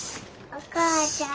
お母ちゃん？